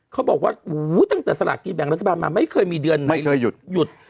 เขาบอกว่าตั้งแต่สลากกินแบ่งรัฐบาลมาไม่เคยมีเดือนหนึ่งไม่เคยหยุดหยุด